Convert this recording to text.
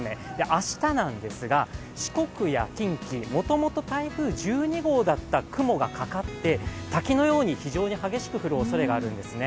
明日なんですが四国や近畿、もともと台風１２号だった雲がかかって、滝のように非常に激しく降るおそれがあるんですね。